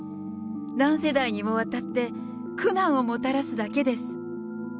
何世代にもわたって苦難をもたらすだけです。